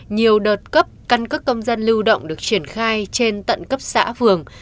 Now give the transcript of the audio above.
nhiều đợt cấp căn cước công dân lưu động được triển khai trên tận cấp xã phường